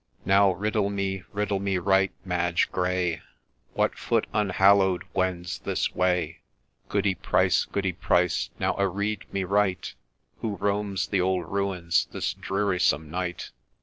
' Now riddle me, riddle me right, Madge Gray, What foot unhallow'd wends this way ? Goody Price, Goody Price, now areed me right, Who roams the old Ruins this drearysome night